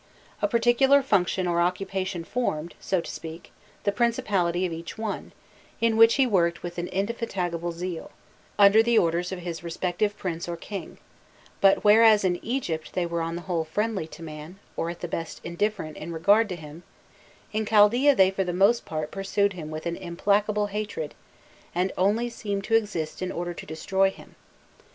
A particular function or occupation formed, so to speak, the principality of each one, in which he worked with an indefatigable zeal, under the orders of his respective prince or king; but, whereas in Egypt they were on the whole friendly to man, or at the best indifferent in regard to him, in Chaldaea they for the most part pursued him with an implacable hatred, and only seemed to exist in order to destroy him.